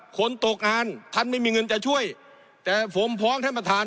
คนตกงานท่านไม่มีเงินจะช่วยแต่ผมพร้อมท่านประธาน